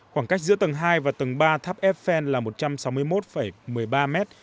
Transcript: khoảng cách giữa tầng hai và tầng ba tháp eiffel là một trăm sáu mươi một một mươi ba mét